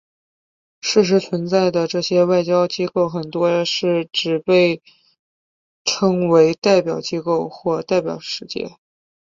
事实存在的这些外交机构很多是只被称为代表机构或代表使节。